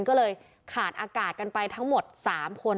ก็เลยขาดอากาศกันไปทั้งหมด๓คน